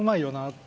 って